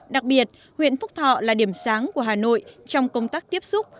đặc biệt huyện phúc thọ là điểm sáng của hà nội trong công tác tiếp xúc